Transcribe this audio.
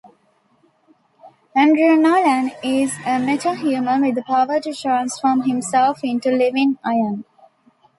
Andrew Nolan is a metahuman with the power to transform himself into living iron.